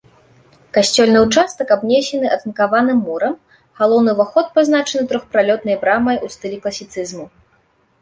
Касцёльны ўчастак абнесены атынкаваным мурам, галоўны ўваход пазначаны трохпралётнай брамай у стылі класіцызму.